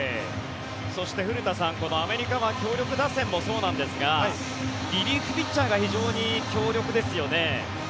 そして古田さんアメリカは強力打線もそうなんですがリリーフピッチャーが非常に強力ですよね。